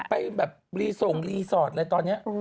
ไปแบบรีส่งรีสอร์ทเลยตอนนี้